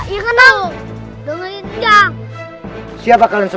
jangan lupa buat like